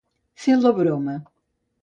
Fer la broma.